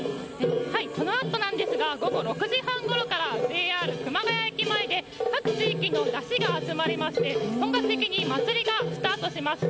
このあと、午後６時半ごろからＪＲ熊谷駅前で各地域のだしが集まりまして本格的に祭りがスタートします。